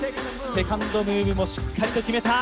セカンドムーブもしっかりと決めた。